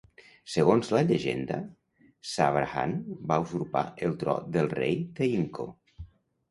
Segons la llegenda, Sawrahan va usurpar el tro del rei Theinko.